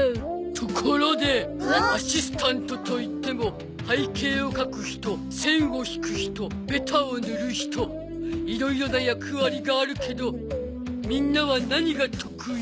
ところでアシスタントといっても背景を描く人線を引く人ベタを塗る人いろいろな役割があるけどみんなは何が得意？